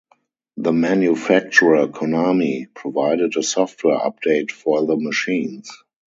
The manufacturer, Konami, provided a software update for the machines.